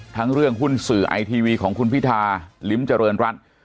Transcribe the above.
เรื่องหุ้นสื่อไอทีวีของคุณพิธาลิ้มเจริญรัฐ